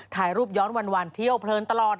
ถ่ายรูปย้อนวันเที่ยวเพลินตลอด